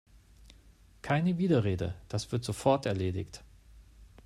Keine Widerrede, das wird sofort erledigt!